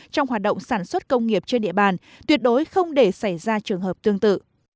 trong hoạt động sản xuất công nghiệp trên địa bàn tuyệt đối không để xảy ra trường hợp tương tự